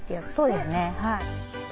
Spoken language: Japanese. そうですねはい。